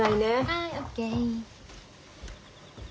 はいＯＫ。